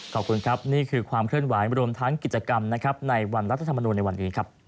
ขอบคุณครับนี่คือความเคลื่อนไหวรวมทั้งกิจกรรมนะครับในวันรัฐธรรมนูลในวันนี้ครับ